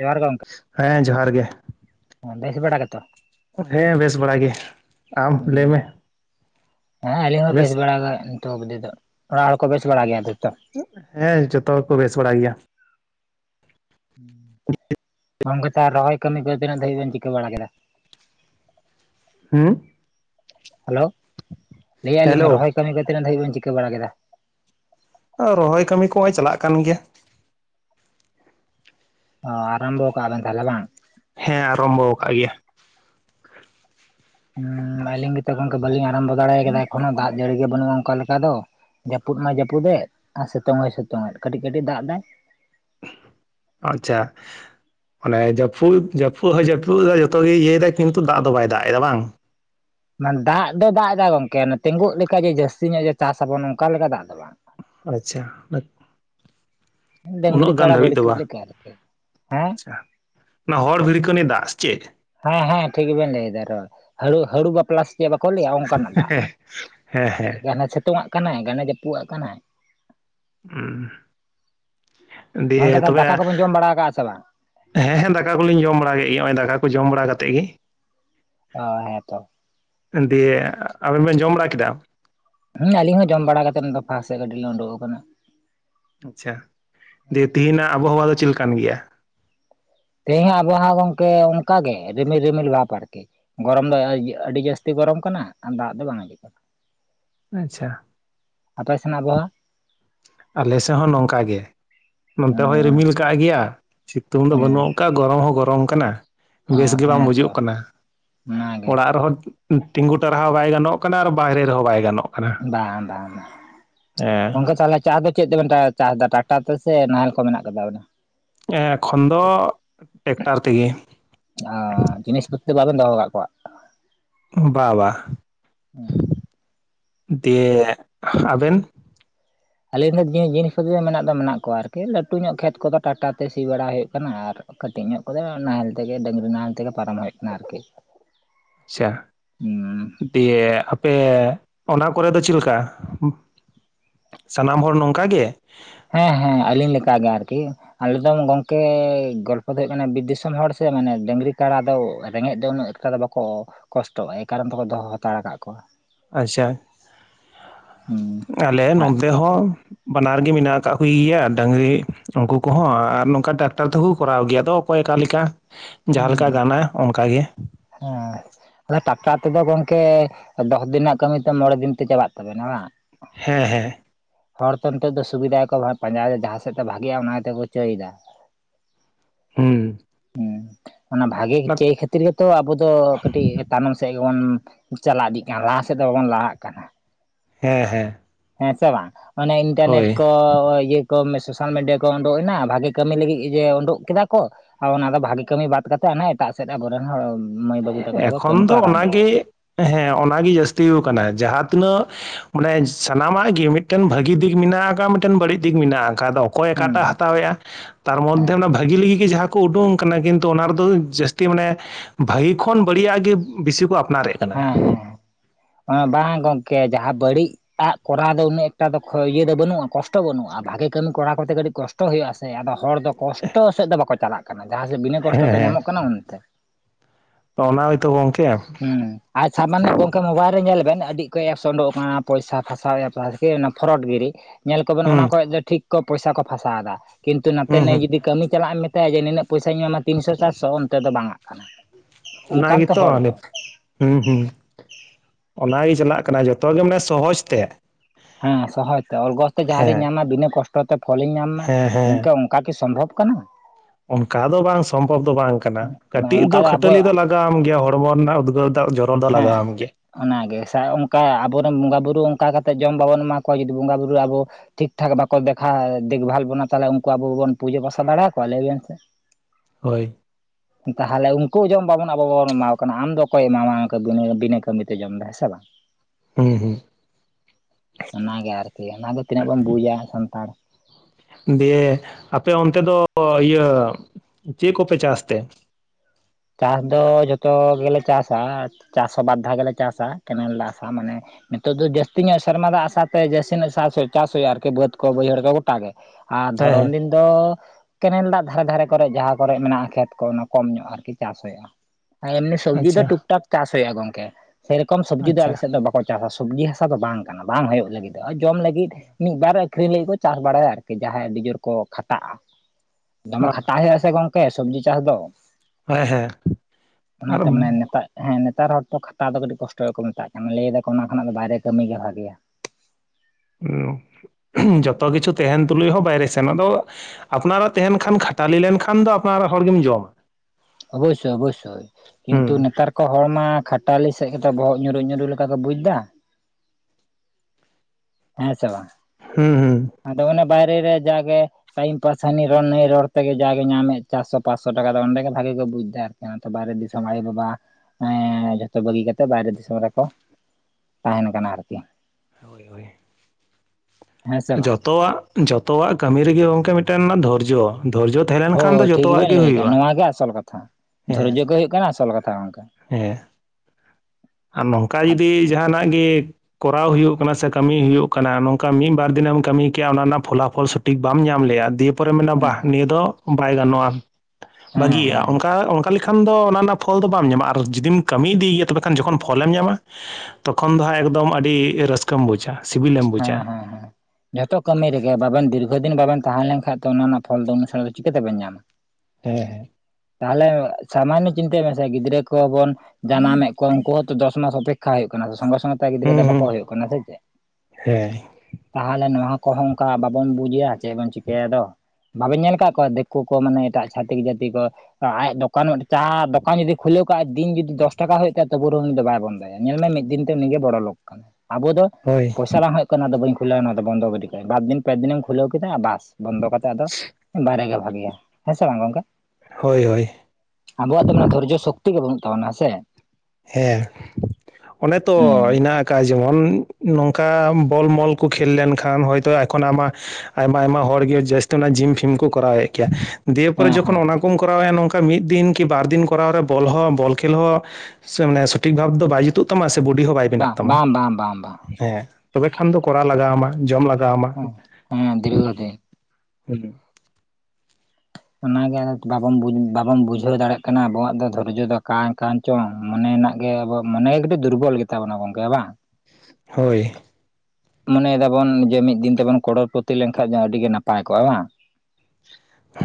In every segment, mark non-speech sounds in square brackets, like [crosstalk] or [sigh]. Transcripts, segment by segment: ᱡᱚᱦᱟᱨ ᱜᱚᱢᱠᱮ ᱾ ᱦᱮᱸ ᱡᱚᱦᱟᱨ ᱜᱮ ᱾ ᱦᱮᱸ ᱵᱮᱥ ᱵᱟᱲᱟ ᱜᱮᱛᱚ? ᱦᱮᱸ ᱵᱮᱥ ᱵᱟᱲᱟ ᱜᱮ ᱾ ᱟᱢ ᱞᱟᱹᱭ ᱢᱮ? ᱦᱮᱸ ᱟᱹᱞᱤᱧ ᱦᱚᱸ ᱵᱮᱥ ᱵᱟᱲᱟ ᱜᱮ ᱱᱚᱜ ᱫᱚ ᱚᱲᱟᱜ ᱦᱚᱲ ᱠᱚ ᱵᱮᱥ ᱵᱟᱲᱟ ᱜᱮᱭᱟ ᱯᱮ ᱛᱚ ᱦᱮᱸ ᱡᱚᱛᱚ ᱦᱚᱲ ᱠᱚ ᱵᱮᱥ ᱵᱟᱲᱟ ᱜᱮᱭᱟ ᱦᱩᱸ [inaudible] ᱟᱪᱷᱟ [inaudible] ᱜᱚᱢᱠᱮᱛ ᱟᱨ ᱨᱚᱦᱚᱭ ᱠᱟᱹᱢᱤ ᱠᱚ ᱛᱤᱹᱜ [unintelligible] ᱫᱷᱟᱹᱵ ᱵᱱ ᱪᱤᱠᱟᱹ ᱵᱟᱲᱟ ᱠᱮᱫᱟ ᱦᱩᱸ ᱦᱮᱞᱳ ᱞᱟᱹᱮᱫ ᱟᱹᱞᱤᱧ ᱦᱮᱞᱳ ᱨᱚᱦᱚᱭ ᱠᱟᱹᱢᱤ ᱠᱟᱛᱮ [unintelligible] ᱫᱷᱟᱹᱵᱤᱡ ᱵᱮᱱ ᱪᱤᱠᱟᱹ ᱵᱟᱲᱟ ᱠᱮᱫᱟ ᱨᱚᱦᱚᱭ ᱠᱟᱹᱢᱤ ᱠᱚᱦᱚᱸ ᱪᱟᱞᱟᱜ ᱠᱟᱱ ᱜᱮᱭᱟ ᱟᱨᱚᱢᱵᱷᱚ ᱟᱠᱟᱜ ᱵᱮᱱ ᱛᱟᱦᱚᱞᱮ ᱵᱟᱝ ᱦᱮᱸ ᱟᱨᱚᱢᱵᱷᱚ ᱟᱠᱟᱫ ᱜᱮᱭᱟ ᱦᱮᱸ ᱟᱞᱤᱧ ᱜᱮᱛᱚ ᱜᱚᱢᱠᱮ ᱵᱟᱹᱞᱤᱧ ᱟᱨᱚᱢᱵᱷᱚ ᱫᱟᱲᱮ ᱟᱠᱟᱫᱟ ᱮᱠᱷᱚᱱᱳ ᱫᱟᱜ ᱡᱟᱹᱲᱤᱜ ᱜᱮ ᱵᱟᱹᱱᱩᱜᱼᱟ ᱚᱱᱠᱟ ᱞᱮᱠᱟ ᱫᱚ ᱡᱟᱹᱯᱩᱫ ᱢᱟᱭ ᱡᱟᱹᱯᱩᱫ ᱮᱫ ᱟᱨ ᱥᱤᱛᱩᱝ ᱦᱚᱸᱭ ᱥᱤᱛᱩᱝ ᱮᱫ ᱠᱟᱹᱴᱤᱡ ᱠᱟᱹᱴᱤᱡ ᱫᱟᱜ ᱮᱫᱟᱭ ᱟᱪᱷᱟ ᱢᱟᱱᱮ ᱡᱟᱹᱯᱩᱫ ᱡᱟᱹᱯᱩᱫ ᱦᱚᱭ ᱡᱟᱹᱯᱩᱫ ᱡᱚᱛᱚᱜ ᱜᱮ ᱤᱭᱟᱹ ᱮᱫᱟᱭ ᱠᱤᱱᱛᱩ ᱫᱟᱜ ᱫᱚ ᱵᱟᱭ ᱫᱟᱜ ᱮᱫᱟ ᱵᱟᱝ ᱢᱟᱱᱮ ᱫᱟᱜ ᱫᱚ ᱫᱟᱜ ᱮᱫᱟ ᱜᱚᱝᱠᱮ ᱛᱤᱸᱜᱩ ᱞᱮᱠᱟ ᱡᱮ ᱡᱟᱹᱥᱛᱤ ᱧᱚᱜ-ᱮ ᱪᱟᱥ ᱟᱵᱚᱱ ᱚᱱᱠᱟ ᱞᱮᱠᱟ ᱫᱟᱜ ᱫᱚ ᱵᱟᱝ ᱟᱪᱷᱟ ᱰᱟᱹᱝᱨᱤ ᱩᱱᱟᱹᱜ ᱜᱟᱱ ᱠᱟᱲᱟ ᱫᱷᱟᱹᱵᱤᱡ ᱫᱚ ᱵᱷᱤᱲᱠᱟᱹᱜ ᱵᱟᱝ ᱞᱮᱠᱟ ᱟᱨᱠᱤ ᱦᱮᱸ ᱟᱪᱷᱟ ᱚᱱᱟ ᱦᱚᱲ ᱵᱷᱤᱲᱠᱟᱹᱱᱤ ᱫᱟᱜ ᱥᱮ ᱪᱮᱫ ᱦᱮᱸ ᱦᱮᱸ ᱴᱷᱤᱠ ᱜᱮᱵᱱ ᱞᱟᱹᱭᱮᱫᱟ ᱨᱚᱲ ᱦᱲᱩ ᱦᱲᱩ ᱵᱟᱯᱞᱟ - ᱪᱮᱫ ᱵᱟᱠᱚ ᱞᱟᱹᱭᱟ ᱚᱱᱠᱟᱱᱟᱜ ᱫᱟᱜ ᱦᱮᱸ ᱦᱮᱸ ᱦᱮᱸ ᱜᱷᱟᱱᱮ ᱥᱤᱛᱩᱝᱟᱜ ᱠᱟᱱᱟᱭ ᱜᱷᱟᱱᱮ ᱡᱟᱹᱯᱩᱫᱟᱜ ᱠᱟᱱᱟᱭ ᱫᱤᱭᱮ ᱜᱚᱝᱠᱮ ᱛᱚ ᱛᱚᱵᱮ ᱫᱟᱠᱟ ᱠᱚᱵᱚᱱ ᱡᱚᱢ ᱵᱟᱲᱟ ᱠᱟᱜᱼᱟ ᱥᱮ ᱵᱟᱝ ᱦᱮᱸ ᱦᱮᱸ ᱫᱟᱠᱟ ᱠᱚᱞᱤᱧ ᱡᱚᱢ ᱵᱟᱲᱟ ᱠᱮᱫ ᱜᱮ ᱱᱚᱜ-ᱚᱭ ᱫᱟᱠᱟ ᱠᱚ ᱡᱚᱢ ᱵᱟᱲᱟ ᱠᱟᱮᱫ ᱜᱮ ᱚ ᱦᱮᱸ ᱛᱚ ᱫᱤᱭᱮ [unintelligible] ᱟᱵᱮᱱ ᱵᱮᱱ ᱡᱚᱢ ᱵᱟᱲᱟ ᱠᱮᱫᱟ ᱦᱮᱸ ᱟᱞᱤᱧ ᱦᱚᱸ ᱡᱚᱢ ᱵᱟᱲᱟ ᱠᱟᱛᱮ ᱫᱚᱠᱟ [unintelligible] ᱥᱮᱫ ᱠᱟᱹᱴᱤᱡᱞᱤᱧ ᱩᱰᱩᱠ ᱟᱠᱟᱱᱟ ᱟᱪᱷᱟ ᱫᱤᱭᱮ ᱛᱮᱦᱮᱧᱱᱟᱜ ᱟᱵᱚᱦᱟᱣᱟ [unintelligible] ᱫᱚ ᱪᱮᱫᱞ ᱞᱮᱠᱟᱱ ᱜᱮᱭᱟ ᱛᱮᱦᱤᱧ ᱟᱵᱚᱦᱟ [unintelligible] ᱜᱚᱝᱠᱮ ᱚᱱᱠᱟᱜ ᱜᱮ ᱨᱤᱢᱤᱞ ᱨᱤᱢᱤᱞ ᱵᱷᱟᱯ ᱟᱨᱠᱤ ᱜᱚᱨᱚᱢ ᱫᱚ ᱟᱹᱰᱤ ᱡᱟᱹᱥᱛᱤ ᱜᱚᱨᱚᱢ ᱠᱟᱱᱟ ᱟᱨ ᱫᱟᱜ ᱫᱚ ᱵᱟᱝ ᱟᱡᱚᱜ ᱠᱟᱱᱟ ᱟᱪᱷᱟ ᱟᱯᱮ ᱥᱮᱱᱟᱜ ᱟᱵᱚᱦᱟ [unintelligible] ᱟᱞᱮ ᱥᱮᱫ ᱦᱚᱸ ᱱᱚᱝᱠᱟ ᱜᱮ ᱱᱚᱱᱛᱮ ᱦᱚᱭ ᱨᱤᱢᱤᱞ ᱠᱟᱫ ᱜᱮᱭᱟ ᱥᱤᱛᱩᱝ ᱫᱚ ᱵᱟᱹᱱᱩᱜ ᱠᱟᱜ- ᱜᱚᱨᱚᱢ ᱦᱚᱸ ᱜᱚᱨᱚᱢ ᱠᱟᱱᱟ ᱚ ᱵᱮᱥ ᱜᱮ ᱵᱟᱝ ᱵᱩᱡᱩᱜ ᱦᱮᱸᱛᱚ ᱠᱟᱱᱟ ᱚᱱᱟᱜᱮ ᱚᱲᱟᱜ ᱨᱮᱦᱚᱸ ᱛᱤᱸᱜᱩ ᱴᱟᱨᱦᱟᱣ ᱵᱟᱭ ᱜᱟᱱᱚᱜ ᱠᱟᱱᱟ ᱟᱨ ᱵᱟᱦᱨᱮ ᱨᱮᱦᱚᱸ ᱵᱟᱭ ᱜᱟᱱᱚᱜᱼ ᱵᱟᱝ ᱵᱟᱝ ᱵᱟᱝ ᱦᱮᱸ ᱜᱚᱝᱠᱮ ᱛᱟᱦᱚᱞᱮ ᱪᱟᱥ ᱫᱚ ᱪᱮᱫ ᱛᱮᱵᱮᱱ ᱪᱟᱥ ᱫᱟ ᱴᱨᱟᱠᱴᱟᱨ ᱛᱮ ᱥᱮ ᱱᱟᱦᱮᱞ ᱠᱚ ᱢᱮᱱᱟᱜ ᱠᱟᱫᱟ ᱮᱠᱷᱚᱱ ᱫᱚ ᱴᱮᱠᱴᱟᱨ ᱛᱮᱜᱮ ᱚ ᱡᱤᱱᱤᱥ ᱯᱚᱛᱤ ᱫᱚ ᱵᱟᱵᱮᱱ ᱫᱚᱦᱚ ᱟᱠᱟᱫ ᱠᱚᱣᱟ ᱵᱟ ᱵᱟ ᱫᱤᱭᱮ ᱟᱵᱮᱱ ᱟᱹᱞᱤᱧ ᱫᱚ ᱡᱤᱱᱤᱥ ᱯᱟᱹᱛᱤ ᱫᱚ ᱢᱮᱱᱟᱜ ᱫᱚ ᱢᱮᱱᱟᱜ ᱠᱚᱣᱟ ᱟᱨᱠᱤ ᱞᱟᱹᱴᱩ ᱧᱚᱜ ᱠᱷᱮᱛ ᱠᱚᱫᱚ ᱴᱟᱠᱴᱟᱨ ᱛᱮ ᱥᱤ ᱵᱟᱲᱟ ᱦᱩᱭᱩᱜ ᱠᱟᱱᱟ ᱟᱨ ᱠᱟᱹᱴᱤᱡ ᱧᱚᱜ ᱠᱟᱫᱟ ᱱᱟᱦᱮᱞ ᱛᱮᱜᱮ ᱰᱟᱺᱜᱨᱤ ᱱᱟᱦᱮᱞ ᱛᱮᱜᱮ ᱯᱟᱨᱚᱢ ᱦᱩᱭᱩᱜ ᱠᱟᱱᱟ ᱟᱨᱠᱤ ᱟᱪᱷᱟ ᱫᱤᱭᱮ ᱟᱯᱮ ᱚᱱᱟ ᱠᱚᱨᱮ ᱫᱚ ᱪᱮᱫᱮ ᱞᱮᱠᱟ ᱥᱟᱱᱟᱢ ᱦᱚᱲ ᱱᱚᱝᱠᱟ ᱜᱮ ᱦᱮᱸ ᱦᱮᱸ ᱟᱹᱞᱤᱧ ᱞᱮᱠᱟ ᱜᱮ ᱟᱨᱠᱤ ᱟᱞᱮᱫ ᱫᱚ ᱜᱚᱝᱠᱮ ᱜᱚᱞᱯᱚ ᱫᱚ ᱦᱩᱭᱩᱜᱭ ᱠᱟᱱᱟ ᱵᱮ ᱫᱤᱥᱚᱢ ᱦᱚᱲ ᱥᱮ ᱢᱟᱱᱮ ᱰᱟᱹᱝᱨᱤ ᱠᱟᱲᱟ ᱫᱚ ᱨᱮᱸᱜᱮᱡ ᱫᱚ ᱩᱱᱟᱹᱜ ᱚᱱᱠᱟ ᱫᱚ ᱵᱟᱠᱚ ᱠᱚᱥᱴᱚᱜᱼᱟ ᱮ ᱠᱟᱨᱚᱱ ᱛᱮᱠᱚ ᱫᱚᱦᱚ ᱦᱟᱛᱟᱲ ᱟᱠᱟᱫ ᱠᱚᱣᱟ ᱟᱪᱪᱷᱟ ᱦᱩᱸ ᱟᱞᱮ ᱟᱜ ᱱᱚᱛᱮ ᱦᱚᱸ ᱵᱟᱱᱟᱨ ᱜᱤ ᱢᱮᱱᱟᱜ ᱟᱠᱟᱫ ᱠᱚ ᱜᱮᱭᱟ ᱰᱟᱝᱨᱤ ᱩᱱᱠᱩ ᱠᱚᱦᱚᱸ ᱟᱨ ᱱᱚᱝᱠᱟ ᱴᱨᱟᱠᱴᱟᱨ ᱛᱮᱦᱚᱸ ᱠᱚ ᱠᱚᱨᱟᱣ ᱜᱮᱭᱟ ᱾ ᱟᱫᱚ ᱚᱠᱚᱭ ᱚᱠᱟ ᱞᱮᱠᱟ, ᱡᱟᱦᱟᱸ ᱦᱩᱸ ᱞᱮᱠᱟ ᱜᱟᱱᱟᱭ ᱚᱱᱠᱟ ᱜᱮ ᱾ ᱦᱮᱸ ᱾ ᱚᱱᱟ ᱴᱟᱠᱴᱟᱨ ᱛᱮᱫᱚ ᱜᱚᱝᱠᱮ ᱫᱚᱥ ᱫᱤᱱᱟᱜ ᱨᱮᱱᱟᱜ ᱠᱟᱹᱢᱤ ᱛᱮ ᱢᱚᱬᱮ ᱫᱤᱱ ᱛᱮ ᱪᱟᱵᱟᱜ ᱛᱟᱵᱮᱱᱟ ᱵᱟᱝ? ᱦᱮᱸ ᱦᱮᱸ ᱾ ᱦᱚᱲ ᱛᱮ ᱚᱱᱛᱮ ᱫᱚ ᱥᱩᱵᱤᱫᱷᱟ ᱟᱠᱚ ᱾ ᱵᱟᱠᱷᱟᱱ ᱯᱟᱸᱡᱟ ᱨᱮ ᱡᱟᱦᱟᱸ ᱥᱮᱫ ᱛᱮ ᱵᱷᱟᱜᱮᱜᱼᱟ ᱚᱱᱟ ᱛᱮᱠᱚ ᱪᱟᱹᱭ ᱮᱫᱟ ᱾ ᱦᱮᱸ ᱾ ᱚᱱᱟ ᱵᱷᱟᱜᱤ ᱠᱷᱟᱹᱛᱤᱨ ᱜᱮᱛᱚ ᱟᱵᱚ ᱫᱚ ᱠᱟᱹᱴᱤᱡ ᱛᱟᱭᱱᱚᱢ ᱥᱮᱫ ᱜᱮᱵᱚᱱ ᱪᱟᱞᱟᱣ ᱤᱫᱤᱜ ᱠᱟᱱᱟ ᱞᱟᱦᱟ ᱥᱮᱫ ᱫᱚ ᱵᱟᱵᱚᱱ ᱞᱟᱦᱟᱜ ᱠᱟᱱᱟ ᱾ ᱦᱮᱸ ᱦᱮᱸ ᱾ ᱦᱮᱸ ᱥᱮ ᱵᱟᱝ ᱚᱱᱮ ᱤᱱᱴᱟᱨᱱᱮᱴ ᱠᱚ ᱠᱚ ᱥᱳᱥᱟᱞ ᱢᱤᱰᱤᱭᱟ ᱠᱚ ᱩᱰᱚᱠ ᱮᱱᱟ ᱾ ᱵᱷᱟᱜᱮ ᱠᱟᱹᱢᱤ ᱞᱟᱹᱜᱤᱫ ᱡᱮ ᱩᱰᱩᱜ ᱠᱮᱫᱟ ᱠᱚ ᱾ ᱦᱳᱭ ᱚᱱᱟ ᱫᱚ ᱵᱷᱟᱜᱤ ᱠᱟᱹᱢᱤ ᱵᱟᱫᱽ ᱠᱟᱛᱮᱜ ᱮᱴᱟᱜ ᱥᱮᱫ ᱟᱵᱚ ᱨᱮᱱ ᱦᱚᱲ ᱢᱟᱹᱭ ᱵᱟᱹᱵᱩ ᱛᱟᱠᱚ ᱫᱚᱠᱚ ᱠᱟᱹᱢᱤ ᱮᱠᱷᱚᱱ ᱠᱚ ᱫᱚ ᱟᱨᱚᱢᱵᱷᱚ ᱟᱠᱟᱫᱟ ᱚᱱᱟᱜᱮ ᱾ ᱦᱮᱸ ᱚᱱᱟ ᱜᱤ ᱡᱟᱹᱥᱛᱤᱣ ᱟᱠᱟᱱᱟ ᱡᱟᱦᱟᱸ ᱛᱤᱱᱟᱹᱜ ᱢᱟᱱᱮ ᱥᱟᱱᱟᱢᱟᱜ ᱜᱮ ᱢᱤᱫᱴᱮᱱ ᱵᱷᱟᱹᱜᱤ ᱫᱤᱠ ᱢᱮᱱᱟᱜ ᱟᱠᱟᱫ ᱢᱤᱫᱴᱮᱱ ᱵᱟᱹᱲᱤᱡ ᱫᱤᱠ ᱢᱮᱱᱟᱜ ᱟᱠᱟᱫ ᱾ ᱟᱫᱚ ᱚᱠᱚᱭ ᱦᱩᱸ ᱚᱴᱟᱜ ᱦᱩᱸ ᱦᱟᱛᱟᱣᱮᱫᱼᱟ ᱾ ᱛᱟᱨ ᱢᱚᱫᱽᱫᱷᱮ ᱦᱮᱸ ᱚᱱᱟ ᱵᱷᱟᱜᱤ ᱞᱟᱹᱜᱤᱫ ᱜᱮ ᱡᱟᱦᱟᱸ ᱠᱚ ᱩᱰᱩᱠ ᱟᱠᱟᱱᱟ ᱠᱤᱱᱛᱩ ᱚᱱᱟ ᱨᱮᱫᱚ ᱡᱟᱹᱥᱛᱤ ᱢᱟᱱᱮ ᱵᱷᱟᱹᱜᱤ ᱠᱷᱚᱱ ᱵᱟᱹᱲᱤᱡᱟᱜ ᱜᱮ ᱵᱮᱥᱤ ᱠᱚ ᱟᱯᱱᱟᱨᱮᱫ ᱾ ᱦᱮᱸ ᱦᱮᱸ, [inaudible] ᱵᱟᱝ ᱜᱚᱝᱠᱮ ᱡᱟᱦᱟᱸ ᱵᱟᱹᱲᱤᱡ ᱟᱜ ᱠᱚᱨᱟᱣ ᱫᱚ ᱩᱱᱟᱹᱜ ᱮᱠᱴᱟ ᱫᱚ ᱤᱭᱟᱹ ᱟᱜ ᱠᱚᱨᱟᱣ ᱫᱚ ᱩᱱᱟᱹᱜ ᱮᱠᱴᱟ [unintelligible] ᱵᱟᱹᱱᱩᱜᱼᱟ ᱠᱚᱥᱴᱚ ᱵᱟᱹᱱᱩᱜᱼᱟ ᱾ ᱵᱷᱟᱜᱮ ᱠᱟᱹᱢᱤ ᱠᱚᱨᱟᱣ ᱠᱚᱨᱛᱮ ᱠᱟᱹᱴᱤᱡ ᱠᱚᱥ ᱴᱚᱜ ᱦᱩᱭᱩᱜᱼᱟ ᱥᱮ, ᱟᱫᱚ ᱦᱚᱲ ᱫᱚ ᱠᱚᱥᱴᱟᱜ ᱥᱮᱫ ᱫᱚ ᱵᱟᱠᱚ ᱪᱟᱞᱟᱜ ᱠᱟᱱᱟ ᱾ ᱡᱟᱦᱟᱸ ᱥᱮᱫ ᱵᱤᱱᱟᱹ ᱠᱚᱥᱴᱚ ᱦᱮᱸ ᱫᱚ ᱧᱟᱢᱚᱜ ᱠᱟᱱᱟ ᱚᱱᱛᱮ ᱾ ᱛᱚ ᱚᱱᱟ ᱜᱮ ᱛᱚ ᱜᱚᱝᱠᱮ [unintelligible] ᱜᱚᱝᱠᱮ ᱢᱳᱵᱟᱭᱤᱞ ᱨᱮ ᱧᱮᱞ ᱵᱮᱱ ᱟᱹᱰᱤ ᱠᱚᱡ ᱮᱯᱥ ᱳᱰᱳᱜ ᱟᱠᱟᱱᱟ ᱯᱚᱭᱥᱟ ᱯᱷᱟᱥᱟᱣ ᱮᱭᱟᱠᱚ ᱾ ᱡᱮ ᱚᱱᱟ ᱯᱷᱚᱨᱚᱰ ᱜᱤᱨᱤ ᱧᱮᱞ ᱠᱚᱵᱮᱱ ᱚᱱᱟ ᱦᱩᱸ ᱠᱷᱚᱡ ᱫᱚ ᱴᱷᱤᱠ ᱠᱚ ᱯᱚᱭᱥᱟ ᱠᱚ ᱯᱷᱟᱥᱟᱣᱮᱫᱟ, ᱠᱤᱱᱛᱩ ᱱᱟᱛᱮ ᱦᱩᱸ ᱱᱟᱹᱭ ᱦᱩᱸ ᱡᱩᱫᱤ ᱠᱟᱹᱢᱤ ᱪᱟᱞᱟᱜ ᱮᱢ ᱢᱮᱛᱟᱭᱟ ᱡᱮ ᱱᱤᱱᱟᱹᱜ ᱯᱚᱭᱥᱟᱧ ᱮᱢᱟᱢᱟ ᱛᱤᱱᱥᱚ ᱪᱟᱨᱥᱚ ᱚᱱᱛᱮ ᱫᱚ ᱵᱟᱝᱟᱜ ᱠᱟᱱᱟ ᱾ ᱚᱱᱟ ᱜᱮᱛᱚ ᱱᱤᱛ ᱦᱩᱸ ᱦᱩᱸ ᱾ ᱚᱱᱟᱜᱮ ᱪᱟᱞᱟᱜ ᱠᱟᱱᱟ ᱡᱚᱛᱚ ᱜᱮ ᱢᱟᱱᱮ ᱥᱚᱦᱚᱡᱽ ᱛᱮ ᱾ ᱦᱮᱸ ᱥᱚᱦᱚᱡᱽ ᱛᱮ ᱚᱞᱜᱚᱥ ᱛᱮ ᱡᱟᱦᱟᱸ ᱨᱤᱧ ᱦᱮᱸ ᱧᱟᱢᱟ ᱵᱤᱱᱟᱹ ᱠᱚᱥᱴᱚ ᱛᱮ ᱯᱷᱚᱞᱤᱧ ᱧᱟᱢ ᱢᱟ, ᱦᱮᱸ ᱦᱮᱸ ᱜᱚᱢᱠᱮ ᱚᱱ ᱠᱟ ᱠᱤ ᱥᱚᱢᱵᱷᱚᱵᱽ ᱠᱟᱱᱟ? ᱚᱱᱠᱟ ᱫᱚ ᱵᱟᱝ ᱥᱚᱢᱵᱷᱚᱵᱽ ᱫᱚ ᱵᱟᱝ ᱠᱟᱱᱟ ᱾ ᱠᱟᱹᱴᱤᱡ ᱚᱱᱠᱟ ᱫᱚ ᱟᱵᱚ ᱠᱷᱟᱹᱴᱟᱹᱞᱤ ᱫᱚ ᱞᱟᱜ ᱟᱣᱟᱢ ᱜᱮᱭᱟ ᱦᱚᱲᱢᱚ ᱨᱮᱱᱟᱜ ᱩᱫᱽᱜᱟᱹᱣ ᱫᱟᱜ ᱡᱚᱨᱚ ᱫᱚ ᱞᱟᱜᱟᱣᱟᱢ ᱜᱮᱭᱟ ᱾ ᱚᱱᱟ ᱜᱮ ᱥᱮ ᱚᱱᱠᱟ ᱟᱵᱚ ᱨᱮᱱ ᱵᱚᱸᱜᱟ ᱵᱩᱨᱩ ᱚᱱᱠᱟ ᱠᱟᱛᱮᱜ ᱡᱚᱢ ᱵᱟᱵᱚᱱ ᱮᱢᱟ ᱠᱚᱣᱟ, ᱡᱩᱫᱤ ᱵᱚᱸᱜᱟᱼᱵᱩᱨᱩ ᱟᱵᱚ ᱴᱷᱤᱠ ᱴᱷᱟᱠ ᱵᱟᱠᱚ ᱫᱮᱠᱷᱟ ᱫᱮᱠᱷᱵᱷᱟᱞ ᱵᱚᱱᱟ ᱛᱟᱦᱚᱞᱮ ᱩᱱᱠᱩ ᱟᱵᱚ ᱵᱚᱱ ᱯᱩᱡᱟᱹ ᱯᱟᱥᱟ ᱫᱟᱲᱮᱭᱟᱠᱚᱣᱟ ᱞᱟᱹᱭᱵᱮᱱ ᱾ ᱦᱳᱭ ᱾ ᱛᱟᱦᱚᱞᱮ ᱩᱱᱠᱩ ᱡᱚᱢ ᱵᱟᱵᱚᱱ ᱟᱵᱚ ᱵᱚᱱ ᱮᱢᱟ ᱠᱚ ᱠᱟᱱᱟ ᱟᱢ ᱫᱚ ᱚᱠᱚᱭ ᱮᱢᱟᱢᱟ ᱾ ᱤᱱᱠᱟᱹ ᱵᱤᱱᱟᱹ ᱠᱟᱹᱢᱤ ᱛᱮ ᱡᱚᱢ ᱮᱫᱟ ᱦᱮᱸ ᱥᱮ ᱵᱟᱝ ᱾ ᱦᱩᱸ ᱦᱩᱸ ᱾ ᱚᱱᱟ ᱜᱮ ᱟᱨᱠᱤ ᱚᱱᱟ ᱜᱮ ᱛᱤᱱᱟᱹᱜ ᱵᱚᱱ ᱵᱩᱡᱟ ᱥᱟᱱᱛᱟᱲ ᱾ ᱫᱤᱭᱮ ᱟᱯᱮ ᱚᱱᱛᱮ ᱫᱚ ᱤᱭᱟᱹ ᱪᱮᱫ ᱠᱚᱯᱮ ᱪᱟᱥ ᱛᱮ? ᱪᱟᱥ ᱫᱚ ᱡᱚᱛᱚ ᱜᱮᱞᱮ ᱪᱟᱥᱟ ᱾ ᱪᱟᱥ ᱦᱚᱸ ᱵᱟᱨ ᱫᱷᱟᱣ ᱜᱮᱞᱮ ᱪᱟᱥᱟ ᱠᱮᱱᱮᱞ ᱫᱟᱜ ᱢᱟᱱᱮ ᱱᱤᱛᱚᱜ ᱫᱚ ᱡᱟᱹᱥᱛᱤ ᱧᱚᱜ ᱥᱮᱨᱢᱟ ᱫᱟᱜ ᱟᱥᱟ ᱛᱮ ᱡᱟᱹᱥᱛᱤ ᱧᱚᱜ ᱪᱟᱥ ᱦᱩᱭᱩᱜᱼᱟ ᱟᱨᱠᱤ, ᱵᱟᱹᱫᱽ ᱠᱚ ᱵᱟᱹᱭᱦᱟᱹᱲ ᱠᱚ ᱜᱚᱴᱟ ᱜᱮ ᱾ ᱟᱨ ᱦᱮᱸ ᱫᱷᱚᱨᱚᱱ ᱦᱮᱸ ᱫᱤᱱ ᱫᱚ ᱠᱮᱱᱮᱞ ᱫᱟᱜ ᱫᱷᱟᱨᱮ ᱫᱷᱟᱨᱮ ᱠᱚᱨᱮ ᱡᱟᱦᱟᱸ ᱠᱚᱨᱮ ᱢᱮᱱᱟᱜᱼᱟ, ᱠᱷᱮᱛ ᱠᱚ ᱚᱱᱟ ᱠᱚᱢ ᱧᱚᱜᱼᱟ ᱟᱨᱠᱤ ᱪᱟᱥ ᱦᱩᱭᱩᱜᱼᱟ ᱾ ᱮᱢᱱᱤ ᱥᱚᱵᱽᱡᱤ ᱫᱚ ᱟᱪᱪᱷᱟ ᱴᱩᱠ ᱴᱟᱠ ᱪᱟᱥ ᱦᱩᱭᱩᱜᱼᱟ ᱜᱚᱝᱠᱮ, ᱥᱮᱨᱚᱠᱚᱢ ᱥᱚᱵᱽᱡᱤ ᱫᱚ ᱟᱪᱪᱷᱟ ᱟᱞᱮ ᱥᱮᱫ ᱫᱚ ᱵᱟᱠᱚ ᱪᱟᱥᱟ ᱾ ᱥᱚᱵᱽᱡᱤ ᱦᱟᱥᱟ ᱫᱚ ᱵᱟᱝ ᱠᱟᱱᱟ ᱵᱟᱝ ᱦᱩᱭᱩᱜ ᱞᱟᱹᱜᱤᱫᱚᱜᱼᱟ ᱾ ᱡᱚᱢ ᱞᱟᱹᱜᱤᱫ ᱢᱤᱫ ᱵᱟᱨ ᱟᱹᱠᱷᱨᱤᱧ ᱞᱟᱹᱜᱤᱫ ᱠᱚ ᱪᱟᱥ ᱵᱟᱲᱟᱭᱟ ᱟᱨᱠᱤ ᱡᱟᱦᱟᱸᱭ ᱟᱹᱰᱤ ᱡᱳᱨ ᱠᱚ ᱠᱷᱟᱴᱟᱜᱼᱟ ᱫᱚᱢᱮ ᱠᱷᱟᱴᱟᱜ ᱦᱩᱭᱩᱜᱼᱟ‌ ᱥᱮ ᱜᱚᱝᱠᱮ ᱼᱠᱮ ᱥᱚᱵᱽᱡᱤ ᱪᱟᱥ ᱫᱚ ᱦᱮᱸ ᱦᱮᱸ ᱟᱨ ᱚᱱᱟᱛᱮ ᱢᱟᱱᱮ ᱱᱮᱛᱚᱜ ᱦᱮᱸ ᱱᱮᱛᱟᱨ ᱦᱚᱲ ᱛᱚ ᱠᱷᱟᱴᱟᱣ ᱫᱚ ᱠᱟᱹᱴᱤᱡ ᱠᱚᱥᱴᱚ ᱜᱮᱠᱚ ᱢᱮᱛᱟᱜ ᱠᱟᱱᱟ ᱞᱟᱹᱭ ᱫᱟᱠᱚ ᱚᱱᱟ ᱠᱷᱚᱱᱟᱜ ᱫᱚ ᱵᱟᱦᱨᱮ ᱠᱟᱹᱢᱤ ᱜᱮ ᱵᱷᱟᱜᱮᱭᱟ ᱦᱩᱸ ᱡᱚᱛᱚ ᱠᱤᱪᱷᱩ ᱛᱟᱦᱮᱸᱱ ᱛᱩᱞᱩᱡ ᱦᱚᱸ ᱵᱟᱭᱨᱮ ᱥᱮᱱᱚᱜ ᱫᱚ ᱟᱯᱱᱟᱨᱟᱜ ᱛᱟᱦᱮᱸᱱ ᱠᱷᱟᱱ ᱠᱷᱟᱴᱟᱞᱤ ᱞᱮᱱᱠᱷᱟᱱ ᱫᱚ ᱟᱯᱱᱟᱨᱟᱜ ᱦᱚᱲᱜᱮᱢ ᱡᱚᱢᱟ ᱚᱵᱚᱥᱥᱚᱭ ᱚᱵᱚᱥᱥᱚᱭ ᱠᱤᱱᱛᱩ ᱦᱩᱸ ᱱᱮᱛᱟᱨ ᱠᱚ ᱦᱚᱲᱢᱟ ᱠᱷᱟᱴᱟᱞᱤ ᱥᱮᱫ ᱜᱮᱪᱚ ᱵᱚᱦᱚᱜ ᱧᱩᱨᱩᱜ ᱧᱩᱨᱩ ᱞᱮᱠᱟ ᱠᱚ ᱵᱩᱡᱽ ᱮᱫᱟ ᱦᱮᱸ ᱥᱮ ᱵᱟᱝ ᱦᱩᱸ ᱦᱩᱸ ᱟᱫᱚ ᱚᱱᱮ ᱵᱟᱭᱨᱮ ᱨᱮ ᱡᱟᱜᱮ ᱴᱟᱭᱤᱢ ᱯᱟᱥ ᱦᱟᱱᱤ ᱨᱚᱲ ᱱᱟᱹᱭ ᱨᱚᱲ ᱛᱮᱜᱮ ᱡᱟᱦᱟᱜᱮ ᱧᱟᱢᱮᱫ ᱪᱟᱨᱥᱚ ᱯᱟᱸᱥᱚ ᱴᱟᱠᱟ ᱫᱚ ᱚᱸᱰᱮ ᱜᱮ ᱵᱷᱟᱜᱤ ᱜᱮ ᱵᱩᱡ ᱮᱫᱟ ᱟᱨ ᱵᱟᱦᱨᱮ ᱫᱤᱥᱚᱢ ᱟᱭᱳᱼᱵᱟᱵᱟ ᱮ ᱡᱚᱛᱚ ᱵᱟᱹᱜᱤ ᱠᱟᱛᱮᱜ ᱵᱟᱦᱦᱨᱮ ᱫᱤᱥᱚᱢ ᱨᱮᱠᱚ ᱛᱟᱦᱮᱱ ᱠᱟᱱᱟ ᱟᱨᱠᱤᱱ ᱦᱳᱭ ᱦᱳᱭ ᱦᱮᱸ ᱥᱮ ᱵᱟᱝ ᱡᱚᱛᱚᱣᱟᱜ ᱡᱚᱛᱚᱣᱟᱜ ᱠᱟᱹᱢᱤ ᱨᱮᱜᱮ ᱜᱚᱝᱠᱮ ᱢᱤᱫᱴᱮᱱ ᱫᱷᱳᱨᱡᱚ ᱫᱷᱳᱨᱡᱚ ᱛᱟᱦᱮᱸ ᱞᱮᱱᱠᱷᱟᱱ ᱦᱳᱭ ᱫᱚ ᱴᱷᱤᱠ ᱡᱚᱛᱚᱣᱟᱜ ᱵᱮᱱ ᱜᱮ ᱞᱟᱹᱭ ᱟᱠᱟᱫ ᱦᱩᱭᱩᱜᱼᱟ ᱱᱚᱣᱟ ᱜᱮ ᱟᱥᱚᱞ ᱠᱟᱛᱷᱟ ᱦᱮᱸ ᱫᱷᱳᱨᱡᱚ ᱜᱮ ᱦᱩᱭᱩᱜ ᱠᱟᱱᱟ ᱟᱥᱚᱞ ᱠᱟᱛᱷᱟ ᱜᱚᱝᱠᱮ ᱦᱮᱸ ᱟᱨ ᱱᱚᱝᱠᱟ ᱡᱩᱫᱤ ᱡᱟᱦᱟᱱᱟᱜ ᱜᱮ ᱠᱚᱨᱟᱣ ᱦᱩᱭᱩᱜ ᱠᱟᱱᱟ ᱥᱮ ᱠᱟᱹᱢᱤ ᱦᱩᱭᱩᱜ ᱠᱟᱱᱟ ᱱᱚᱝᱠᱟ ᱢᱤᱫᱵᱟᱨ ᱫᱤᱱᱮᱢ ᱠᱟᱹᱢᱤ ᱠᱮᱜᱼᱟ ᱚᱱᱟ ᱨᱮᱱᱟᱜ ᱯᱷᱚᱞᱟᱯᱷᱚᱞ ᱴᱷᱤᱠ ᱵᱟᱢ ᱧᱟᱢ ᱞᱮᱼᱟ ᱫᱤᱭᱮ ᱯᱚᱨᱮᱢ ᱢᱮᱱᱟ ᱦᱮᱸ ᱵᱟᱦ ᱱᱤᱭᱟᱹ ᱫᱚ ᱵᱟᱭ ᱜᱟᱱᱚᱜᱼᱟ ᱦᱮᱸ ᱵᱟᱹᱜᱤᱭᱼᱟ ᱦᱮᱸ ᱚᱱᱠᱟ ᱚᱱᱠᱟ ᱞᱮᱠᱷᱟᱱ ᱫᱚ ᱚᱱᱟ ᱨᱮᱱᱟᱜ ᱯᱷᱚᱞ ᱫᱚ ᱵᱟᱢ ᱧᱟᱢᱟ ᱟᱨ ᱡᱩᱫᱤᱢ ᱠᱟᱹᱢᱤ ᱤᱫᱤᱭᱮᱭᱟ ᱛᱚᱵᱮ ᱠᱷᱟᱱ ᱡᱚᱠᱷᱚᱱ ᱯᱷᱚᱞᱮᱢ ᱧᱟᱢᱟ ᱛᱚᱠᱷᱚᱱ ᱫᱚ ᱦᱟᱸᱜ ᱮᱠᱫᱚᱢ ᱟᱹᱰᱤ ᱨᱟᱹᱥᱠᱟᱹᱢ ᱵᱩᱡᱟ ᱥᱤᱵᱤᱞᱮᱢ ᱦᱮᱸ ᱵᱩᱡᱟ ᱦᱮᱸ ᱦᱮᱸ ᱡᱷᱚᱛᱚ ᱠᱟᱹᱢᱤ ᱨᱮᱜᱮ ᱵᱟᱵᱮᱱ ᱫᱤᱨᱜᱷᱚᱫᱤᱱ ᱵᱟᱵᱮᱱ ᱛᱟᱦᱮᱸ ᱞᱮᱱᱠᱷᱟᱱᱡ ᱚᱱᱟ ᱨᱮᱱᱟᱜ ᱯᱷᱚᱞ ᱫᱚ ᱩᱱᱥᱟᱜ ᱫᱚ ᱪᱤᱠᱟᱹᱛᱮᱵᱮᱱ ᱧᱟᱢᱟ ᱦᱮᱸ -ᱦᱮᱸ ᱛᱟᱦᱚᱞᱮ ᱥᱟᱢᱟᱱᱱᱚ ᱪᱤᱱᱛᱟᱹᱭ ᱢᱮᱥᱮ ᱜᱤᱫᱽᱨᱟᱹ ᱠᱚ ᱵᱚᱱ ᱡᱟᱱᱟᱢᱮᱫ ᱠᱚᱣᱟ ᱩᱱᱠᱩ ᱦᱚᱸᱛᱚ ᱫᱚᱥ ᱢᱥ ᱚᱯᱮᱠᱷᱟ ᱦᱩᱭᱩᱜ ᱠᱟᱱᱟ ᱥᱚᱸᱜᱮ ᱥᱚᱸᱜᱮᱛᱮ ᱜᱤᱫᱽᱨᱟᱹ ᱦᱩᱸ ᱫᱚ ᱵᱟᱠᱚ ᱦᱩᱸ ᱦᱩᱭᱩᱜ ᱠᱟᱱᱟ ᱥᱮ ᱪᱮᱫ ᱦᱮᱸ ᱛᱟᱦᱚᱞᱮ ᱱᱚᱣᱟ ᱠᱚᱦᱚᱸ ᱚᱱᱠᱟ ᱵᱟᱵᱚᱱ ᱵᱩᱡᱮᱭᱟ ᱪᱮᱫ ᱵᱚᱱ ᱪᱤᱠᱟᱹᱭᱟᱫᱚ ᱵᱟᱵᱮᱱ ᱧᱮᱞ ᱟᱠᱟᱫ ᱠᱚᱣᱟ ᱫᱤᱠᱩ ᱠᱚ ᱢᱟᱱᱮ ᱮᱴᱟᱜ ᱪᱷᱟᱛᱤᱠ ᱡᱟᱹᱛᱤ ᱠᱚ ᱡᱟᱦᱟᱭ ᱫᱚᱠᱟᱱ ᱢᱤᱫ ᱪᱟ [unintelligible] ᱫᱚᱠᱟᱱ ᱡᱩᱫᱤ ᱠᱷᱩᱞᱟᱹᱣ ᱠᱟᱭ ᱫᱤᱱ ᱡᱩᱫᱤ ᱫᱚᱥ ᱴᱟᱠᱟ ᱦᱩᱭᱩᱜ ᱛᱟᱭᱟ ᱛᱚᱵᱩ ᱩᱱᱤ ᱫᱚ ᱵᱟᱭ ᱵᱚᱱ ᱧᱮᱞ ᱢᱮ ᱢᱤᱫ ᱫᱤᱱ ᱛᱮ ᱩᱱᱤᱜᱮ ᱵᱚᱲᱚ ᱞᱳᱠ ᱠᱟᱱᱟᱭ ᱟᱵᱚ ᱫᱚ ᱦᱳᱭ ᱯᱚᱭᱥᱟ ᱞᱟᱦ ᱦᱩᱭᱩᱜ ᱠᱟᱱᱟ ᱟᱫᱚ ᱵᱟᱹ ᱠᱷᱩᱞᱟᱹᱣ ᱱᱚᱣᱟᱫᱚ ᱵᱚᱱᱫᱚ ᱜᱰᱤ ᱠᱮᱫᱼᱟ ᱵᱟᱨᱫᱤᱱ ᱯᱮ ᱫᱤᱱᱮᱢ ᱠᱷᱩᱞᱣ ᱠᱮᱫᱟ ᱵᱟᱥ ᱵᱚᱱᱫᱚ ᱠᱟᱛᱮᱜ ᱟᱫᱚ ᱵᱟᱨᱨᱮ ᱜᱮ ᱵᱷᱟᱜᱮᱤᱭᱟ ᱦᱮᱸ ᱥᱮ ᱵᱟᱝ ᱜᱚᱝᱠᱮ ᱦᱳᱭ ᱦᱳᱭ ᱟᱵᱚᱣᱟᱜ ᱫᱚ ᱱᱚᱣᱟ ᱫᱷᱳᱨᱡᱚ ᱥᱚᱠᱛᱤ ᱜᱮ ᱵᱟᱹᱱᱩᱜ ᱛᱟᱵᱚᱱᱟ ᱦᱮᱸ ᱥᱮ ᱦᱮᱸ ᱚᱱᱮ ᱛᱚ ᱤᱱᱟᱹ ᱚᱱᱠᱟ ᱡᱮᱢᱚᱱ ᱱᱚᱝᱠᱟ ᱵᱚᱞ ᱢᱚᱞ ᱠᱚ ᱠᱷᱮᱞ ᱞᱮᱱᱠᱷᱟᱱ ᱦᱚᱭᱛᱳ ᱮᱠᱷᱚᱱ ᱟᱢᱟᱜ ᱟᱭᱢᱟ ᱟᱭᱢᱟ ᱦᱚᱲᱜᱮ ᱡᱟᱹᱥᱛᱤ ᱚᱱᱟ ᱡᱤᱢ ᱯᱷᱤᱢ ᱠᱚ ᱠᱚᱨᱟᱣᱮᱫ ᱜᱮᱭᱟ ᱫᱤᱭᱮ ᱯᱚᱨᱮ ᱦᱮᱸ ᱦᱮᱸ ᱡᱚᱠᱷᱚᱱ ᱚᱱᱟ ᱠᱚᱢ ᱠᱚᱨᱟᱣᱮᱫᱼᱟ ᱱᱚᱝᱠᱟ ᱢᱤᱫ ᱫᱤᱱ ᱠᱤ ᱵᱟᱨ ᱫᱤᱱ ᱠᱚᱨᱟᱣ ᱨᱮ ᱵᱚᱞ ᱦᱚᱸ ᱵᱚᱞ ᱠᱷᱮᱞ ᱦᱚᱸ ᱥᱮ ᱢᱟᱱᱮ ᱥᱚᱴᱷᱤᱠ ᱵᱷᱟᱵ ᱫᱚ ᱵᱟᱭ ᱡᱩᱛᱩᱜ ᱛᱟᱢᱟ ᱥᱮ ᱵᱚᱰᱤ ᱦᱚᱸ ᱵᱟᱭ ᱵᱮᱱᱟᱜ ᱵᱟᱝ ᱛᱟᱢᱟ ᱵᱟᱝ ᱵᱟᱝ ᱵᱟᱝ ᱵᱟᱝ ᱦᱮᱸ ᱛᱚᱵᱮ ᱠᱷᱟᱱ ᱫᱚ ᱠᱚᱨᱟᱣ ᱞᱟᱜᱟ ᱟᱢᱟ ᱡᱚᱢ ᱞᱟᱜᱟ ᱟᱢᱟ ᱦᱮᱸ ᱫᱤᱨᱜᱷᱚᱫᱤᱱ ᱦᱸ [unintelligible] ᱚᱱᱟᱜᱮ ᱵᱟᱵᱚᱱ ᱵᱩᱡ ᱵᱟᱵᱚᱱ ᱵᱩᱡᱷᱟᱹᱣ ᱫᱟᱲᱮᱜ ᱠᱟᱱᱟ ᱟᱵᱚᱣᱟᱜ ᱫᱚ ᱫᱷᱳᱨᱡᱳ ᱫᱚ ᱟᱠᱟ ᱠᱟᱱ ᱪᱚᱝ ᱢᱚᱱᱮ ᱨᱮᱱᱟᱜ ᱜᱮ ᱟᱵᱚ ᱢᱚᱱᱮ ᱜᱮ ᱠᱟᱹᱴᱤᱡ ᱫᱩᱨᱵᱚᱞ ᱜᱮ ᱛᱟᱵᱚᱱᱟ ᱜᱚᱝᱠᱮ ᱵᱟᱝ? ᱦᱳᱭ᱾ ᱢᱚᱱᱮᱭ ᱫᱟᱵᱚᱱ ᱡᱮ ᱢᱤᱫ ᱫᱤᱱ ᱛᱮᱵᱚᱱ ᱠᱚᱲᱚᱨ ᱯᱚᱛᱤ ᱞᱮᱱᱠᱷᱟᱡ ᱡᱟ ᱟᱹᱰᱤ ᱜᱮ ᱱᱟᱯᱟᱭ ᱠᱚᱜᱼᱟ ᱵᱟᱝ?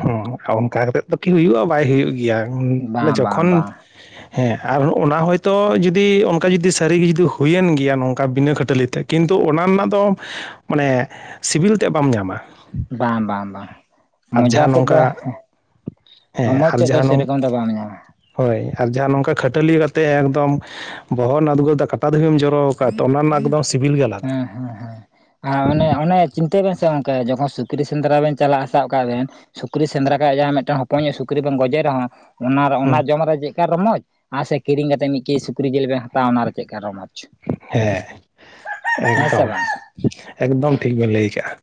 ᱦᱚᱸ ᱚᱱᱠᱟ ᱠᱟᱛᱮᱜ ᱫᱚ ᱠᱤ ᱦᱩᱭᱩᱜᱼᱟ ᱵᱟᱭ ᱦᱩᱭᱩᱜ ᱜᱮᱭᱟ, ᱵᱟᱝ ᱵᱟᱝ ᱡᱚᱠᱷᱚᱱ ᱵᱟᱝ ᱦᱮᱸ ᱟᱨ ᱚᱱᱟ ᱦᱚᱭᱛᱚ ᱡᱩᱫᱤ ᱚᱱᱠᱟ ᱡᱩᱫᱤ ᱥᱟᱹᱨᱤᱜᱮ ᱡᱩᱫᱤ ᱦᱩᱭᱮᱱ ᱜᱤᱭᱟ ᱱᱚᱝᱠᱟ ᱵᱤᱱᱟᱹ ᱠᱷᱟᱹᱴᱟᱹᱞᱤ ᱛᱮ ᱠᱤᱱᱛᱩ ᱚᱱᱟ ᱨᱮᱱᱟᱜ ᱫᱚ ᱢᱟᱱᱮ ᱥᱤᱵᱤᱞ ᱛᱮᱜ ᱵᱟᱢ ᱧᱟᱢᱟ᱾ ᱵᱟᱝ ᱵᱟᱝ ᱵᱟᱝ᱾ ᱟᱨ ᱢᱚᱡᱟ ᱡᱟᱦᱟᱸ ᱛᱮᱫ ᱫᱚ ᱱᱚᱝᱠᱟ ᱦᱮᱸ ᱨᱚᱢᱚᱡ ᱟᱨ ᱛᱮᱫ ᱫᱚ ᱡᱟᱦᱟᱸ ᱱᱚᱝ ᱥᱮᱨᱚᱠᱚᱢ ᱫᱚ ᱵᱟᱢ ᱧᱟᱢᱟ᱾ ᱦᱳᱭ ᱟᱨ ᱡᱟᱦᱟᱸ ᱱᱚᱝᱠᱟ ᱠᱷᱟᱹᱴᱟᱹᱞᱤ ᱠᱟᱛᱮ ᱮᱠᱫᱚᱢ ᱵᱚᱦᱚᱜ ᱨᱮᱱᱟᱜ ᱩᱫᱽᱜᱟᱹᱫᱟᱜ ᱠᱟᱴᱟ ᱫᱷᱟᱹᱵᱤᱢ ᱡᱚᱨᱚ ᱠᱟᱫ ᱛᱚ ᱚᱱᱟ ᱨᱮᱱᱟᱜ ᱮᱠᱫᱚᱢ ᱥᱤᱵᱤᱞ ᱜᱮ ᱟᱞᱟᱫᱟ᱾ ᱦᱮᱸ ᱦᱮᱸ ᱦᱮᱸ ᱟ ᱚᱱᱮ ᱚᱱᱮ ᱪᱤᱱᱛᱟᱹᱭ ᱵᱮᱱ ᱥᱮ ᱜᱚᱝᱠᱮ ᱡᱚᱠᱷᱚᱱ ᱥᱩ ᱠᱨᱤ ᱥᱮᱸᱫᱽᱨᱟ ᱵᱮᱱ ᱪᱟᱞᱟᱜᱼᱟ ᱥᱟᱵ ᱠᱟᱜ ᱵᱮᱱ, ᱥᱩᱠᱨᱤ ᱥᱮᱸᱫᱽᱨᱟ ᱠ ᱡᱟᱦᱟᱸ ᱢᱤᱫᱴᱮᱱ ᱦᱚᱯᱚᱱ ᱧᱚᱜᱼᱟ ᱥᱩᱠᱨᱤ ᱵᱮᱱ ᱜᱚᱡᱮ ᱨᱮᱦᱚᱸ ᱚᱱᱟ ᱚᱱᱟ ᱦᱩᱸ ᱡᱚᱢ ᱨᱮ ᱪᱮᱫᱠᱟ ᱨᱚᱢᱚᱡ, ᱟᱨ ᱥᱮ ᱠᱤᱨᱤᱧ ᱠᱟᱛᱮᱫ ᱢᱤᱫ ᱠᱮᱡᱤ ᱥᱩᱠᱨᱤ ᱡᱤᱞ ᱵᱮᱱ ᱦᱟᱛᱟᱣᱟ ᱚᱱᱟ ᱪᱮᱫᱠᱟ ᱨᱚᱢᱚᱪ᱾ ᱦᱮᱸ ᱥᱮ ᱮᱠᱫᱚᱢ ᱵᱟᱝ ᱮᱠᱫᱚᱢ ᱴᱷᱤᱠ ᱵᱮᱱ ᱞᱟᱹᱭ ᱠᱟᱜᱼᱟ᱾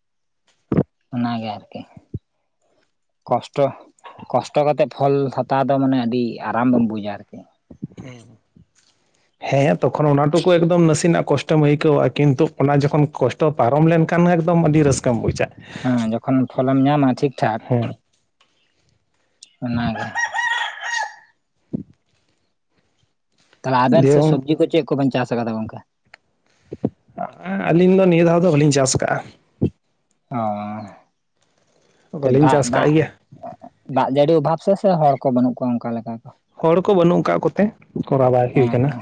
ᱚᱱᱟᱜᱮ ᱟᱨᱠᱤ᱾ ᱠᱚᱥᱴᱚ ᱠᱚᱥᱴᱚ ᱠᱟᱛᱮᱜ ᱯᱷᱚᱞ ᱦᱟᱛᱟᱣ ᱫᱚ ᱢᱟᱱᱮ ᱟᱹᱰᱤ ᱟᱨᱟᱢ ᱵᱮᱢ ᱵᱩᱡᱟ ᱟᱨᱠᱤ᱾ ᱦᱩᱸ᱾ ᱦᱮᱸ ᱛᱚᱠᱷᱚᱱ ᱚᱱᱟ ᱴᱩᱠᱩ ᱮᱠᱫᱚᱢ ᱱᱟᱥᱮᱱᱟᱜ ᱠᱚᱥᱴᱚᱢ ᱟᱹᱭᱠᱟᱹᱣᱟ ᱠᱤᱱᱛᱩ ᱚᱱᱟ ᱡᱚᱠᱷᱚᱱ ᱠᱚᱥ ᱴᱚ ᱯᱟᱨᱚᱢ ᱞᱮᱱᱠᱷᱟᱱ ᱦᱚᱸ ᱮᱠᱫᱚᱢ ᱟᱹᱰᱤ ᱨᱟᱹᱥᱠᱟᱹᱢ ᱵᱩᱡᱟ᱾ ᱦᱮᱸ ᱡᱚᱠᱷᱚᱱ ᱯᱷᱚᱞᱮᱢ ᱧᱟᱢᱟ ᱴᱷᱤᱠ ᱴᱷᱟᱠ ᱦᱮᱸ ᱚᱱᱟᱜᱮ᱾ ᱛᱟᱦᱚᱞᱮ ᱟᱵᱮᱱ ᱫᱤᱭᱮ ᱥᱮᱫ ᱥᱚᱵᱽᱡᱤ ᱠᱚ ᱪᱮᱫ ᱠᱚᱵᱮᱱ ᱪᱟᱥ ᱠᱟᱫᱟ ᱜᱚᱝᱠᱮ? ᱟᱹᱞᱤᱧ ᱫᱚ ᱱᱤᱭᱟᱹ ᱫᱷᱟᱣ ᱫᱚ ᱵᱟᱹᱞᱤᱧ ᱪᱟᱥ ᱠᱟᱜᱼᱟ᱾ ᱚ ᱛᱚ ᱵᱟᱹᱞᱤᱧ ᱫᱟᱜ ᱪᱟᱥ ᱠᱟᱜ ᱫᱟᱜ ᱜᱮᱭᱟ ᱫᱟᱜ ᱡᱟᱹᱲᱤ ᱚᱵᱷᱟᱵ ᱥᱮ ᱥᱮ ᱦᱚᱲ ᱠᱚ ᱵᱟᱹᱱᱩᱜ ᱠᱚᱣᱟ ᱚᱱᱠᱟ ᱞᱮᱠᱟ ᱠᱚ ᱦᱚᱲ ᱠᱚ ᱵᱟᱹᱱᱩᱜ ᱠᱟᱜ ᱠᱚᱛᱮ ᱠᱚᱨᱟᱣ ᱵᱟᱭ ᱦᱩᱭ ᱦᱮᱸ ᱠᱟᱱᱟ᱾ ᱦᱮᱸ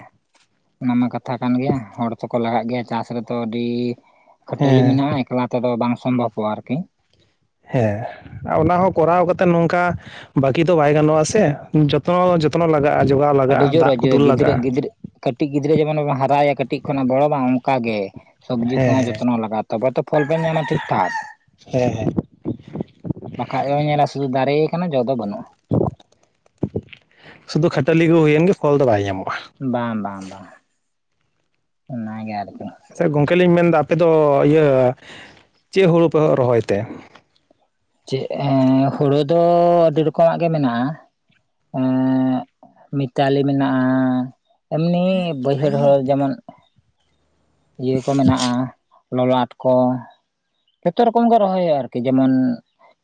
ᱚᱱᱟ ᱢᱟ ᱠᱟᱛᱷᱟ ᱠᱟᱱ ᱜᱮᱭᱟ ᱦᱚᱲ ᱛᱚᱠᱚ ᱞᱟᱜᱟᱜ ᱜᱮᱭᱟ, ᱪᱟᱥ ᱨᱮᱛᱚ ᱟᱹᱰᱤ ᱠᱷᱟᱹᱴᱟᱹᱞᱤ ᱦᱮᱸ ᱢᱮᱱᱟᱜᱼᱟ, ᱮᱠᱞᱟ ᱛᱮᱫᱚ ᱵᱟᱝ ᱥᱚᱢᱵᱷᱚᱵᱚᱜᱼᱟ ᱟᱨᱠᱤ᱾ ᱦᱮᱸ ᱚᱱᱟ ᱦᱚᱸ ᱠᱚᱨᱟᱣ ᱠᱟᱛᱮᱜ ᱱᱚᱝᱠᱟ ᱵᱟᱠᱤ ᱫᱚ ᱵᱟᱭ ᱜᱟᱱᱚᱜᱼᱟ ᱥᱮ ᱡᱚᱛᱚ ᱡᱚ ᱛᱱᱚᱱᱚ ᱞᱟᱜᱼᱟ, ᱡᱚᱜᱟᱣ ᱞᱟᱜᱟᱜᱼᱟ ᱟᱹᱰᱤ ᱡᱳᱨ ᱫᱟᱜ ᱠᱚ ᱫᱩᱞ ᱜᱤᱫᱽᱨᱟᱹ ᱞᱟᱜᱟᱜᱼᱟ᱾ ᱜᱤᱫᱽᱨᱟᱹ ᱠᱟᱹᱴᱤᱡ ᱜᱤᱫᱽᱨᱟᱹ ᱡᱮᱢᱚᱱᱵᱚᱱ ᱦᱟᱨᱟᱭᱮᱭᱟ ᱠᱟᱹᱴᱤᱡ ᱠᱷᱚᱱᱟᱜ ᱜᱚᱲᱚᱟ ᱚᱱᱠᱟ ᱜᱮ ᱥᱚᱵᱡᱤ ᱦᱮᱸ ᱠᱚᱦᱚᱸ ᱦᱮᱸ ᱡᱚᱛᱱᱚ ᱞᱟᱜᱟᱜᱼᱟ ᱛᱚᱵᱮ ᱛᱚ ᱯᱷᱚᱞ ᱵᱮᱱ ᱧᱟᱢᱟ ᱴᱷᱤᱠ ᱴᱷᱟᱠ᱾ ᱦᱮᱸ ᱦᱮᱸ ᱵᱟᱠᱷᱟᱡᱭ ᱧᱮᱞᱟ ᱥᱩᱫᱩ ᱫᱟᱨᱮ ᱠᱟᱱᱟ ᱡᱚ ᱫᱚ ᱵᱟᱹᱱᱩᱜᱼᱟ᱾ ᱥᱩᱫᱩ ᱠᱷᱟᱹᱴᱟᱹᱞᱤ ᱜᱩ ᱦᱩᱭᱮᱱ ᱜᱮ ᱯᱷᱚᱞ ᱫᱚ ᱵᱟᱭ ᱧᱟᱢᱚᱜᱼᱟ᱾ ᱵᱟᱝ ᱵᱟᱝ ᱵᱟᱝ ᱚᱱᱟᱜᱮ ᱟᱨᱠᱤ᱾ ᱥᱮ ᱜᱚᱝᱠᱮ ᱞᱤᱧ ᱢᱮᱱᱫᱟ ᱟᱯᱮᱫᱚ ᱤᱭᱟᱹ ᱪᱮᱫ ᱦᱩᱲᱩ ᱯᱮ ᱨᱚᱦᱚᱭ ᱛᱮ? ᱪᱮᱫ ᱦᱮᱸ ᱦᱳᱲᱳ ᱫᱚ ᱟᱹᱰᱤ ᱨᱚᱠᱚᱢᱟᱜ ᱜᱮ ᱢᱮᱱᱟᱜᱼᱟ, ᱮᱸᱜ ᱢᱤᱛᱟᱞᱤ ᱢᱮᱱᱟᱜᱼᱟ ᱮᱢᱱᱤ ᱵᱟᱹᱭᱦᱟᱹᱲ ᱦᱚᱲᱳ ᱡᱮᱢᱚᱱ ᱤᱭᱟᱹ ᱠᱚ ᱢᱮᱱᱟᱜᱼᱟ ᱞᱚᱞᱟᱴ ᱠᱚ᱾ ᱡᱷᱚᱛᱚ ᱨᱚᱠᱚᱢ ᱜᱮ ᱨᱚᱦᱚᱭᱼᱟ ᱟᱨᱠᱤ ᱡᱮᱢᱚᱱ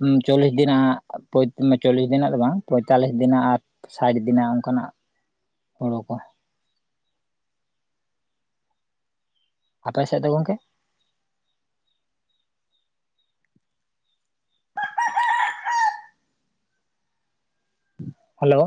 ᱩᱸ ᱪᱚᱞᱞᱤᱥ ᱫᱤᱱᱟᱜ ᱯᱚᱸᱭ ᱪᱚᱞᱞᱤᱥ ᱫᱤᱱᱟᱜ ᱫᱚ ᱵᱟᱝ ᱯᱚᱸᱭᱛᱟᱞᱞᱤᱥ ᱫᱤᱱᱟᱜ ᱟᱨ ᱥᱟᱴ ᱫᱤᱱᱟᱜ ᱚᱝᱠᱟᱱᱟᱜ ᱦᱳᱲᱳ ᱠᱚ ᱟᱯᱮ ᱥᱮᱫ ᱫᱚ ᱜᱚᱝᱠᱮ? ᱦᱮᱞᱳ